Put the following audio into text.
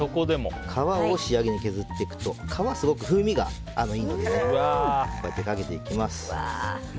皮を仕上げに削っていくと皮、すごく風味がいいのでかけていきます。